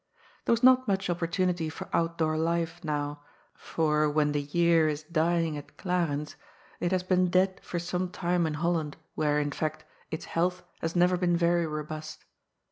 There was not much opportunity for out door life now, for when the year is dying at Glarens it has been dead for some time in Hol land, where, in fact, its health has never been very robust.